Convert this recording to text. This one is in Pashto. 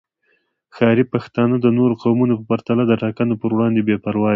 ښاري پښتانه د نورو قومونو په پرتله د ټاکنو پر وړاندې بې پروا دي